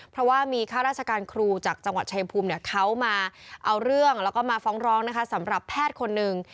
เพราะว่ามีข้าราชการครูจากจังหวัดชายภูมิเขามาเอาเรื่องแล้วก็มาฟ้องร้องนะคะสำหรับแพทย์คนหนึ่ง